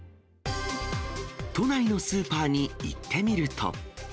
都内のスーパーに行ってみると。